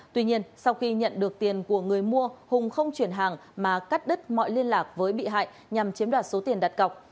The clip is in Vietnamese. tuy nhiên sau khi nhận được tiền của người mua hùng không chuyển hàng mà cắt đứt mọi liên lạc với bị hại nhằm chiếm đoạt số tiền đặt cọc